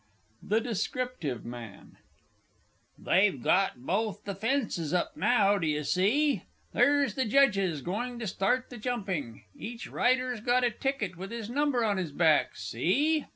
_ THE DESCRIPTIVE MAN. They've got both the fences up now, d'ye see? There's the judges going to start the jumping; each rider's got a ticket with his number on his back. See?